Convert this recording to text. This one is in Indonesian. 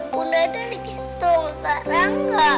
bunda dari bisa tolong sarah gak